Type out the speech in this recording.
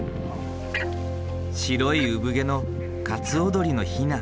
白い産毛のカツオドリのヒナ。